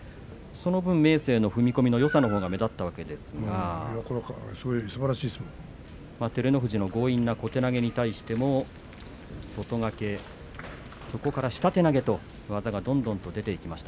その分、明生の踏み込みのよさが目立ったわけですが照ノ富士の強引な小手投げに対しても、外掛けそこから下手投げと技がどんどん出ていきました。